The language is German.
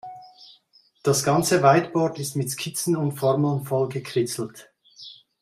Das ganze Whiteboard ist mit Skizzen und Formeln vollgekritzelt.